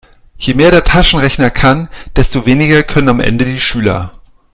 Je mehr der Taschenrechner kann, desto weniger können am Ende die Schüler.